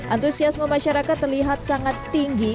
antusiasme masyarakat terlihat sangat tinggi